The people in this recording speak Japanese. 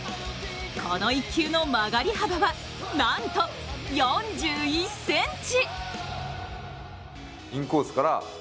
この１球の曲がり幅はなんと４１ｃｍ。